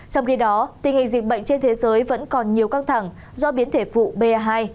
trong khi đó tình hình dịch bệnh trên thế giới vẫn còn nhiều căng thẳng do biến thể phụ ba hai